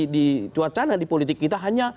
di cuacana di politik kita hanya